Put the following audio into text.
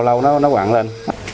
lâu lâu nó quặn lên